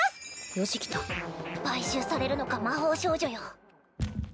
よしきた買収されるのか魔法少女よ